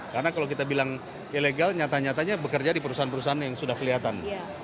karena kalau kita bilang ilegal nyata nyatanya bekerja di perusahaan perusahaan yang sudah kelihatan